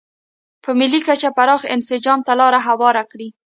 په ملي کچه پراخ انسجام ته لار هواره کړي.